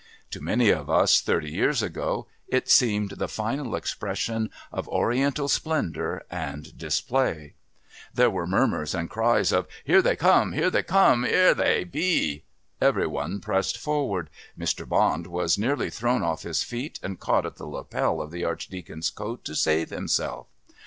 To many of us, thirty years ago, it seemed the final expression of Oriental splendour and display. There were murmurs and cries of "Here they come! Here they come! 'Ere they be!" Every one pressed forward; Mr. Bond was nearly thrown off his feet and caught at the lapel of the Archdeacon's coat to save himself.